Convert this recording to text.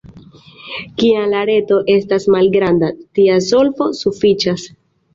Kiam la reto estas malgranda, tia solvo sufiĉas.